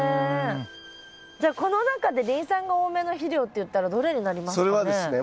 じゃあこの中でリン酸が多めの肥料っていったらどれになりますかね？